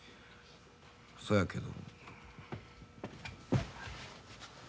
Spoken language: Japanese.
そやけど。